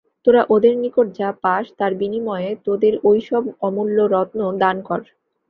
তোরা ওদের নিকট যা পাস, তার বিনিময়ে তোদের ঐ-সব অমূল্য রত্ন দান কর।